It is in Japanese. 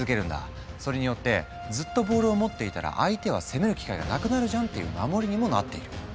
それによって「ずっとボールを持っていたら相手は攻める機会がなくなるじゃん！」っていう守りにもなっている。